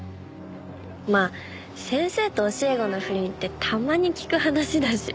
まあ先生と教え子の不倫ってたまに聞く話だし。